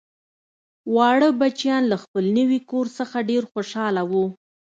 واړه بچیان له خپل نوي کور څخه ډیر خوشحاله وو